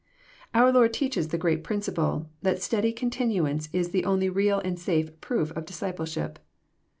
Our Lord teaches the great principle, that steady continuance is the only real and safe proof of discipleship.